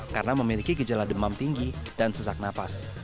karena memiliki gejala demam tinggi dan sesak nafas